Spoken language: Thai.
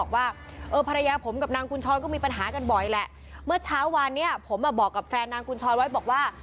แบรนด์นางคุณช้อนไว้บอกว่า